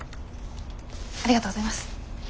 ありがとうございます。